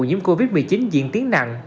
những covid một mươi chín diễn tiến nặng